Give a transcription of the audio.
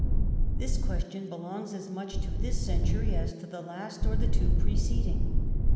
This ({uestion belongs as much to this century as to the last or tlie two preceding.